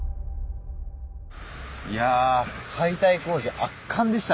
いや解体工事圧巻でしたね。